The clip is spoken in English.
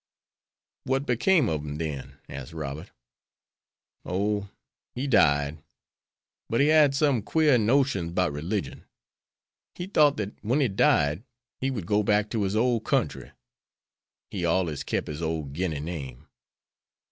"What became of him?" asked Robert. "Oh, he died. But he had some quare notions 'bout religion. He thought dat when he died he would go back to his ole country. He allers kep' his ole Guinea name."